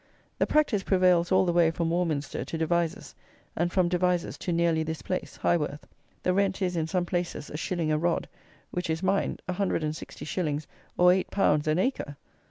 The practice prevails all the way from Warminster to Devizes, and from Devizes to nearly this place (Highworth). The rent is, in some places, a shilling a rod, which is, mind, 160_s._ or 8_l._ an acre!